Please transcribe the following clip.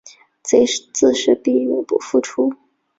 贼自是闭门不复出。